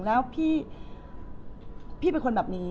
แล้วพี่เป็นคนแบบนี้